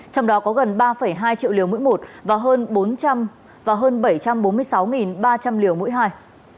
trong đó có gần ba hai triệu liều mỗi một và hơn bảy trăm bốn mươi sáu ba trăm linh liều mũi hai